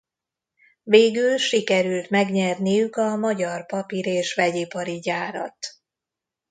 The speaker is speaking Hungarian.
Végül sikerült megnyerniük a Magyar Papír és Vegyipari Gyárat.